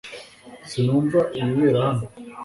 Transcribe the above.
Sinumva ibibera hano .